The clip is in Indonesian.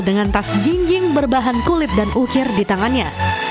dengan tas jinjing berbahan kulit dan ukir di tangannya